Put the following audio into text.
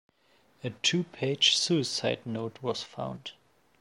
A two-page suicide note was found.